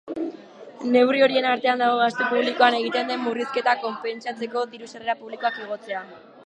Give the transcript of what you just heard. Neurri horien artean dago gastu publikoan egiten den murrizketa konpentsatzeko diru-sarrera publikoak igotzea.